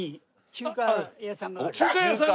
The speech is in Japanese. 中華屋さん。